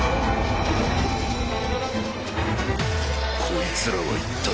こいつらは一体。